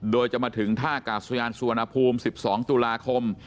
โดยจะมาถึงท่ากาศยานสุวรรณภูมิ๑๒ตุลาคม